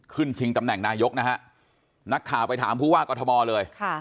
ชิงตำแหน่งนายกนะฮะนักข่าวไปถามผู้ว่ากอทมเลย